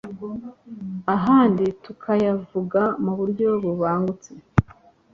ahandi tukayavuga mu buryo bubangutse